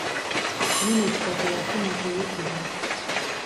Minisita teyafuna kuyitibwa.